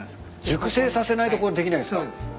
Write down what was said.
熟成させないとこれできないんすか？